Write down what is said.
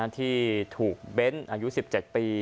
ที่ถูกเบ้นอายุ๑๗ปี